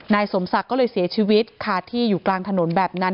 นายสมศักดิ์ก็เลยเสียชีวิตคาที่อยู่กลางถนนแบบนั้น